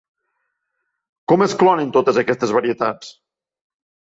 Com es clonen totes aquestes varietats?